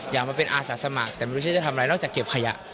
อยากมาเป็นอาสาสมัครแต่ไม่รู้ฉันจะทำอะไรนอกจากเก็บขยะ